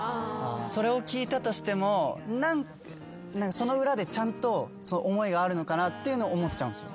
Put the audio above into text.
それを聞いたとしてもその裏でちゃんと思いがあるのかなっていうのを思っちゃうんすよ。